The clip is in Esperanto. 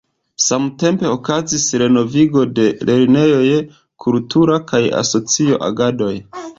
Samtempe okazis renovigo de lernejoj, kultura kaj asocia agadoj.